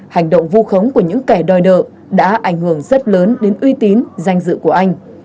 hành động vu khống của những kẻ đòi nợ đã ảnh hưởng rất lớn đến uy tín danh dự của anh